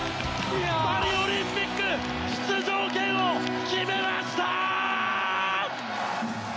パリオリンピック出場権を決めました！